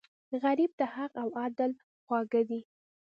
غریب ته حق او عدل خواږه دي